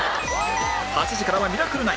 ８時からは『ミラクル９』